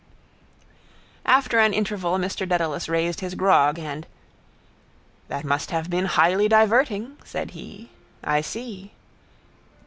After an interval Mr Dedalus raised his grog and —That must have been highly diverting, said he. I see.